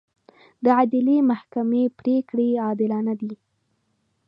د عدلي محکمې پرېکړې عادلانه دي.